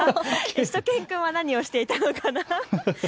しゅと犬くんは何をしていたのかな？